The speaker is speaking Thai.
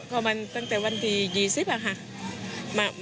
ก็มันตั้งแต่วันที่๒๐ค่ะ